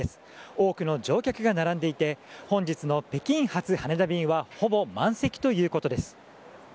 多くの乗客が並んでいて本日の北京発羽田便はほぼ満席ということです。